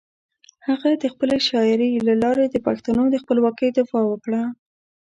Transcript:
هغه د خپلې شاعري له لارې د پښتنو د خپلواکۍ دفاع وکړه.